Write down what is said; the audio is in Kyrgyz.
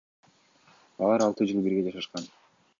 Алар алты жыл бирге жашашкан.